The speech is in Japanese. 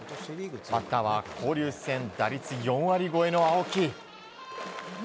バッターは交流戦打率４割超えの青木。